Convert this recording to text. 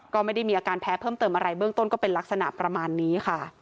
ก็ไม่ได้มีอาการแพ้เพิ่มเติมอะไรเบื้องต้นก็เป็นลักษณะประมาณนี้ค่ะ